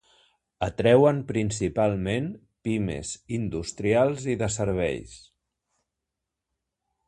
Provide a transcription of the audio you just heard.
Atreuen principalment Pimes industrials i de serveis.